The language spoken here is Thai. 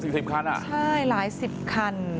ใช่หลายสิบคัน